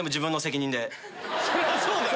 そりゃそうだよ！